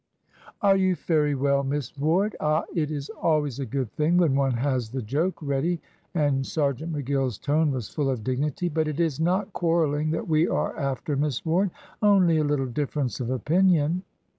"Are you fery well, Miss Ward? Ah, it is always a good thing when one has the joke ready," and Sergeant McGill's tone was full of dignity, "but it is not quarrelling that we are after, Miss Ward only a little difference of opinion."